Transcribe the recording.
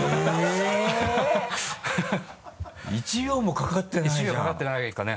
１秒もかかってないじゃん。